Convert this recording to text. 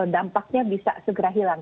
dampaknya bisa segera hilang